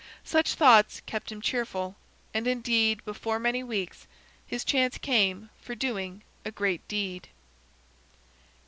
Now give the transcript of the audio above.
Such thoughts kept him cheerful. And indeed, before many weeks, his chance came for doing a great deed.